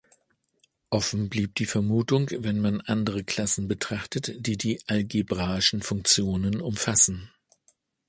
Offen blieb die Vermutung, wenn man andere Klassen betrachtet, die die algebraischen Funktionen umfassen.